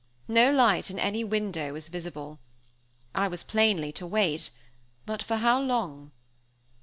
No light in any window was visible. I was plainly to wait; but for how long?